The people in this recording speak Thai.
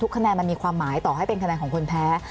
คะแนนมันมีความหมายต่อให้เป็นคะแนนของคนแพ้